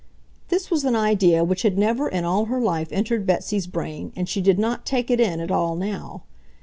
This was an idea which had never in all her life entered Betsy's brain and she did not take it in at all now.